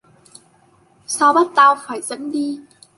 Sao bắt tao phải dẫn đi